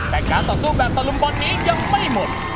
แต่การต่อสู้แบบตะลุมบอลนี้ยังไม่หมด